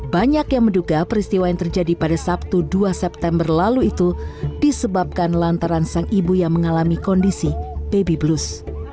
banyak yang menduga peristiwa yang terjadi pada sabtu dua september lalu itu disebabkan lantaran sang ibu yang mengalami kondisi baby blues